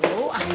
oh apaan sih